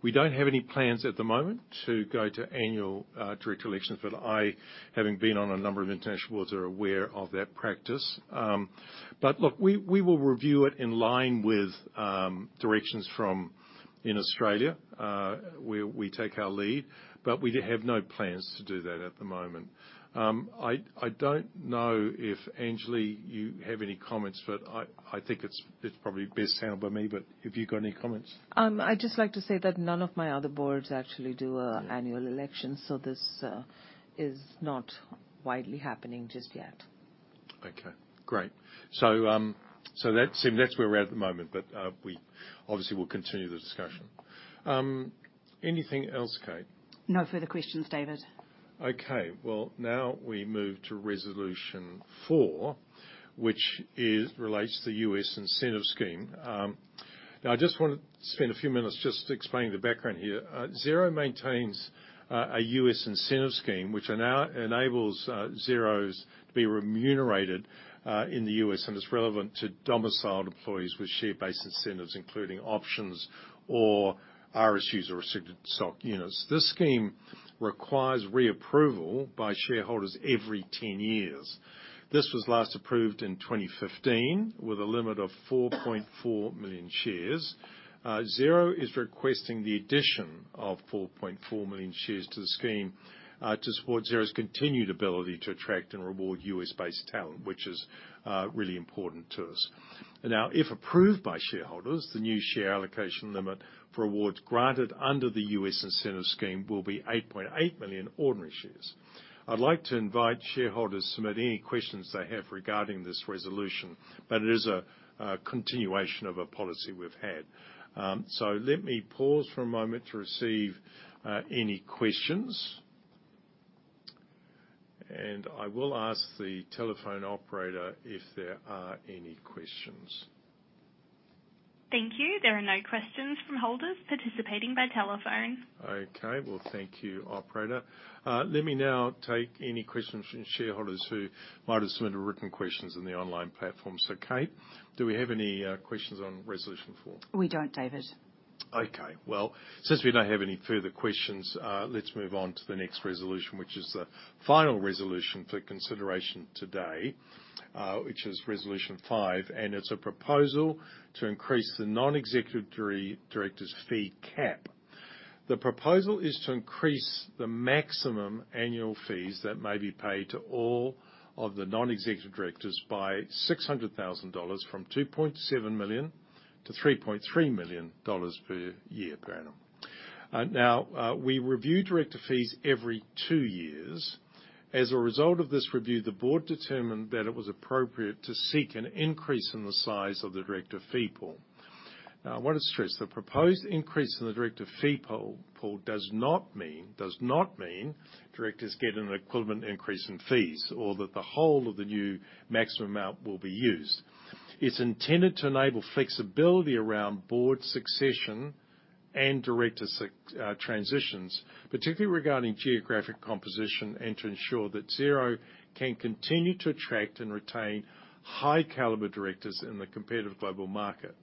We don't have any plans at the moment to go to annual director elections, but I, having been on a number of international boards, are aware of that practice. Look, we, we will review it in line with directions from in Australia, where we take our lead, but we have no plans to do that at the moment. I, I don't know if, Anjali, you have any comments, but I, I think it's, it's probably best handled by me, but have you got any comments? I'd just like to say that none of my other boards actually do. Yeah... annual elections, so this is not widely happening just yet. Okay, great. That's where we're at the moment, but, we obviously will continue the discussion. Anything else, Kate? No further questions, David. Okay. Well, now we move to Resolution 4, which is, relates to the U.S. incentive scheme. Now I just want to spend a few minutes just explaining the background here. Xero maintains a U.S. incentive scheme, which are now, enables Xero to be remunerated in the U.S. and is relevant to domiciled employees with share-based incentives, including options or RSUs, or restricted stock units. This scheme requires reapproval by shareholders every 10 years. This was last approved in 2015, with a limit of 4.4 million shares. Xero is requesting the addition of 4.4 million shares to the scheme, to support Xero's continued ability to attract and reward U.S.-based talent, which is really important to us. If approved by shareholders, the new share allocation limit for awards granted under the U.S. incentive scheme will be 8.8 million ordinary shares. I'd like to invite shareholders to submit any questions they have regarding this resolution, but it is a continuation of a policy we've had. Let me pause for a moment to receive any questions. I will ask the telephone operator if there are any questions. Thank you. There are no questions from holders participating by telephone. Okay. Well, thank you, operator. Let me now take any questions from shareholders who might have submitted written questions in the online platform. Kate, do we have any questions on Resolution 4? We don't, David. Okay. Well, since we don't have any further questions, let's move on to the next resolution, which is the final resolution for consideration today, which is Resolution 5, and it's a proposal to increase the non-executive director's fee cap. The proposal is to increase the maximum annual fees that may be paid to all of the non-executive directors by 600,000 dollars, from 2.7 million to 3.3 million dollars per year per annum. Now, we review director fees every two years. As a result of this review, the Board determined that it was appropriate to seek an increase in the size of the director fee pool. Now, I want to stress, the proposed increase in the director fee pool, pool does not mean, does not mean directors get an equivalent increase in fees or that the whole of the new maximum amount will be used. It's intended to enable flexibility around board succession and director transitions, particularly regarding geographic composition, and to ensure that Xero can continue to attract and retain high caliber directors in the competitive global market.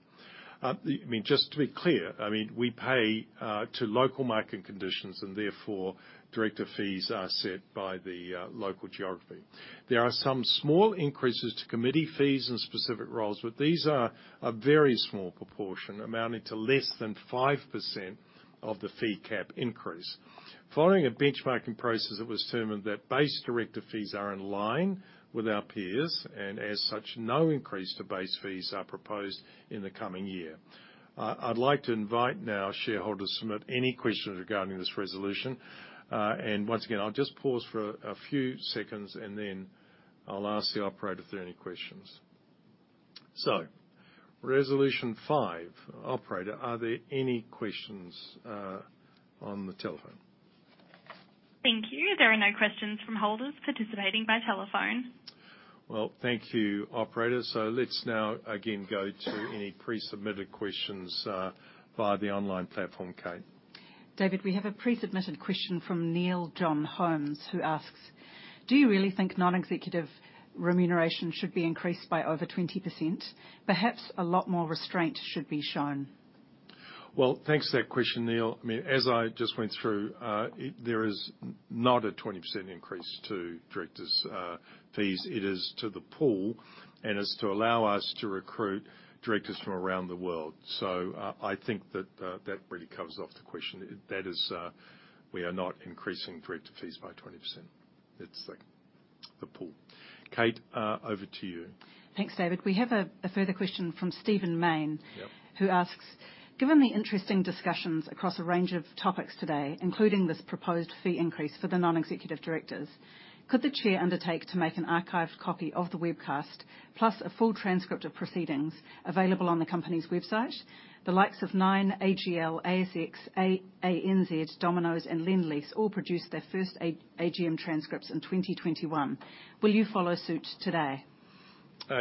I mean, just to be clear, I mean, we pay to local market conditions, and therefore, director fees are set by the local geography. There are some small increases to committee fees and specific roles, but these are a very small proportion, amounting to less than 5% of the fee cap increase. Following a benchmarking process, it was determined that base director fees are in line with our peers. As such, no increase to base fees are proposed in the coming year. I'd like to invite now shareholders to submit any questions regarding this resolution. Once again, I'll just pause for a few seconds, and then I'll ask the operator if there are any questions. Resolution 5. Operator, are there any questions on the telephone? Thank you. There are no questions from holders participating by telephone. Well, thank you, operator. Let's now again go to any pre-submitted questions, via the online platform, Kate. David, we have a pre-submitted question from Neil John Holmes, who asks: Do you really think non-executive remuneration should be increased by over 20%? Perhaps a lot more restraint should be shown. Well, thanks for that question, Neil. I mean, as I just went through, there is not a 20% increase to directors fees. It is to the pool, and it's to allow us to recruit directors from around the world. I think that really covers off the question. That is, we are not increasing director fees by 20%. It's like the pool. Kate, over to you. Thanks, David. We have a further question from Stephen Mayne. Yep -who asks: Given the interesting discussions across a range of topics today, including this proposed fee increase for the non-executive directors, could the Chair undertake to make an archived copy of the webcast, plus a full transcript of proceedings available on the company's website? The likes of Nine, AGL, ASX, ANZ, Domino's, and Lendlease all produced their first AGM transcripts in 2021. Will you follow suit today?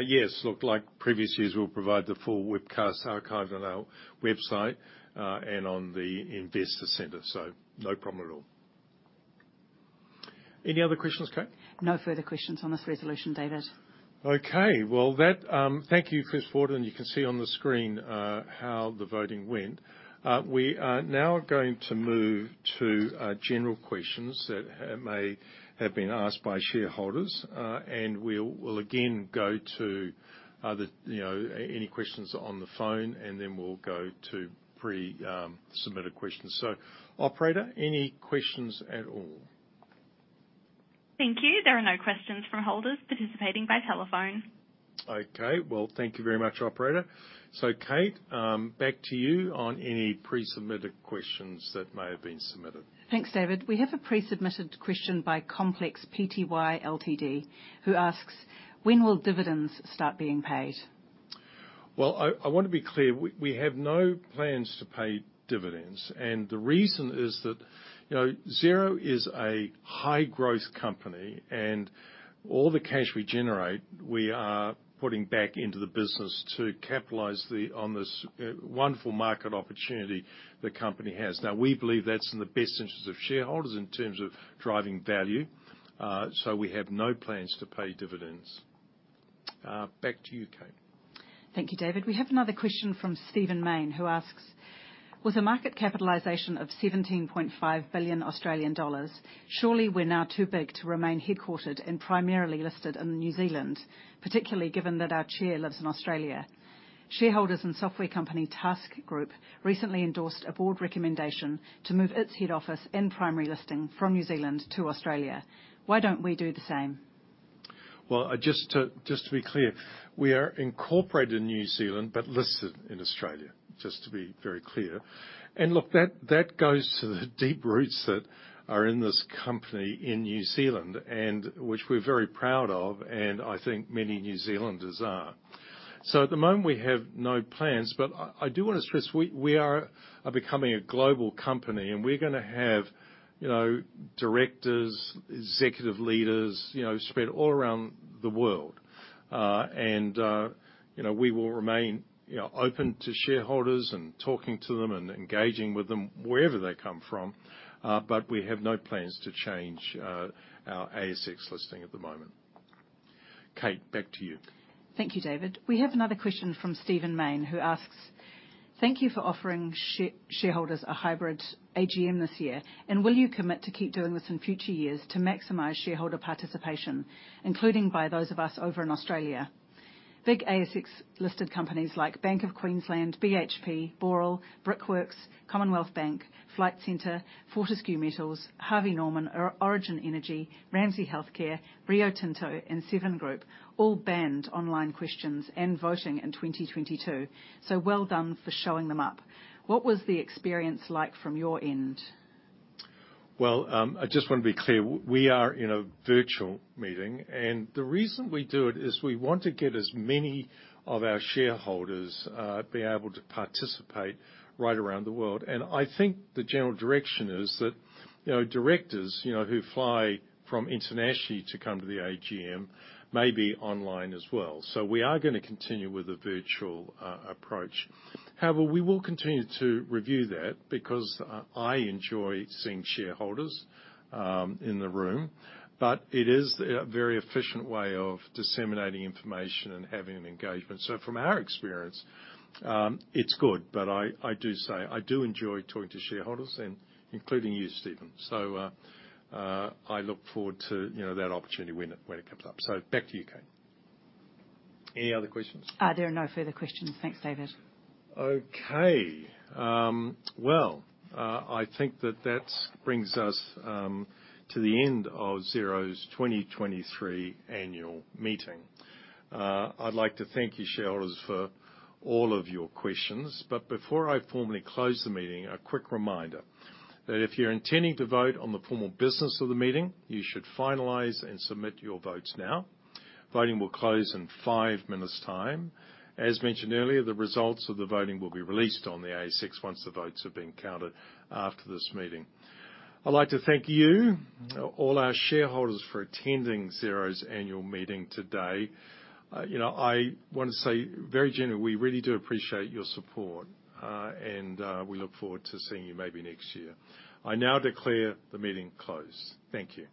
Yes. Look, like previous years, we'll provide the full webcast archive on our website, and on the investor center, so no problem at all. Any other questions, Kate? No further questions on this resolution, David. Okay. Well, that. Thank you, Chris Porter, and you can see on the screen, how the voting went. We are now going to move to general questions that may have been asked by shareholders. We'll, we'll again go to the, you know, any questions on the phone, and then we'll go to pre submitted questions. Operator, any questions at all? Thank you. There are no questions from holders participating by telephone. Okay. Well, thank you very much, operator. Kate, back to you on any pre-submitted questions that may have been submitted. Thanks, David. We have a pre-submitted question by Complex Pty Ltd, who asks: When will dividends start being paid? Well, I, I want to be clear, we, we have no plans to pay dividends, and the reason is that, you know, Xero is a high-growth company, and all the cash we generate, we are putting back into the business to capitalize on this wonderful market opportunity the company has. Now, we believe that's in the best interest of shareholders in terms of driving value, so we have no plans to pay dividends. Back to you, Kate. Thank you, David. We have another question from Stephen Mayne, who asks: With a market capitalization of 17.5 billion Australian dollars, surely we're now too big to remain headquartered and primarily listed in New Zealand, particularly given that our chair lives in Australia. Shareholders and software company, TASK Group, recently endorsed a board recommendation to move its head office and primary listing from New Zealand to Australia. Why don't we do the same? Well, just to, just to be clear, we are incorporated in New Zealand, but listed in Australia, just to be very clear. Look, that, that goes to the deep roots that are in this company in New Zealand, and which we're very proud of, and I think many New Zealanders are. At the moment, we have no plans, but I, I do wanna stress, we, we are becoming a global company, and we're gonna have, you know, directors, executive leaders, you know, spread all around the world. You know, we will remain, you know, open to shareholders and talking to them and engaging with them wherever they come from, but we have no plans to change our ASX listing at the moment. Kate, back to you. Thank you, David. We have another question from Stephen Mayne, who asks: Thank you for offering shareholders a hybrid AGM this year. Will you commit to keep doing this in future years to maximize shareholder participation, including by those of us over in Australia? Big ASX-listed companies like Bank of Queensland, BHP, Boral, Brickworks, Commonwealth Bank, Flight Centre, Fortescue Ltd, Harvey Norman, or Origin Energy, Ramsay Health Care, Rio Tinto, and SGH Ltd, all banned online questions and voting in 2022. Well done for showing them up. What was the experience like from your end? Well, I just want to be clear, we are in a virtual meeting. The reason we do it is we want to get as many of our shareholders be able to participate right around the world. I think the general direction is that, you know, directors, you know, who fly from internationally to come to the AGM may be online as well. We are gonna continue with the virtual approach. However, we will continue to review that because I enjoy seeing shareholders in the room, but it is a very efficient way of disseminating information and having an engagement. From our experience, it's good, but I, I do say I do enjoy talking to shareholders and including you, Stephen. I look forward to, you know, that opportunity when it, when it comes up. Back to you, Kate. Any other questions? there are no further questions. Thanks, David. Okay. Well, I think that that brings us to the end of Xero's 2023 annual meeting. I'd like to thank you, shareholders, for all of your questions. Before I formally close the meeting, a quick reminder that if you're intending to vote on the formal business of the meeting, you should finalize and submit your votes now. Voting will close in 5 minutes' time. As mentioned earlier, the results of the voting will be released on the ASX once the votes have been counted after this meeting. I'd like to thank you, all our shareholders, for attending Xero's annual meeting today. You know, I want to say very genuinely, we really do appreciate your support, and we look forward to seeing you maybe next year. I now declare the meeting closed. Thank you.